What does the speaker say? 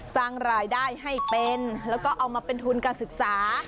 สร้างรายได้ให้เป็นแล้วก็เอามาเป็นทุนการศึกษา